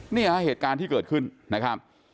เหตุการณ์ที่เกิดขึ้นนะครับ